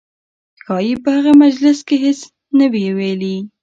ښایي په هغه مجلس کې هېڅ نه وي ویلي.